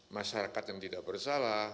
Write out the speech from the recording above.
masyarakat yang tidak bersalah